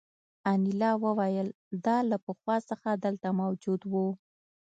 انیلا وویل دا له پخوا څخه دلته موجود وو